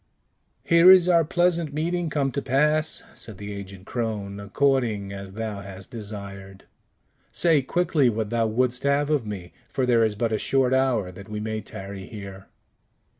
"Here is our pleasant meeting come to pass," said the aged crone, "according as thou hast desired. Say quickly what thou wouldst have of me, for there is but a short hour that we may tarry here."